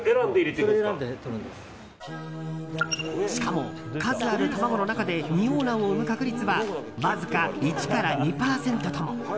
しかも数ある卵の中で二黄卵を産む確率はわずか１２％とも。